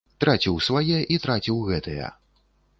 Траціў свае і траціў гэтыя.